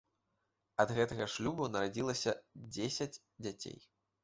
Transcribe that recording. Ад гэтага шлюбу нарадзілася дзесяць дзяцей.